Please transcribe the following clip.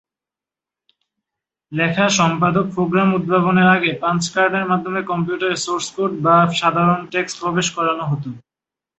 লেখা সম্পাদক প্রোগ্রাম উদ্ভাবনের আগে পাঞ্চ কার্ডের মাধ্যমে কম্পিউটারে সোর্স কোড বা সাধারণ টেক্সট প্রবেশ করানো হত।